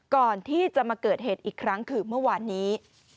ก่อนที่จะมาเกิดเหตุอีกครั้งคือเมื่อวานนี้